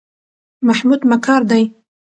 محمود مکار دی.